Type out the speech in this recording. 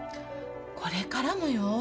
これからもよ。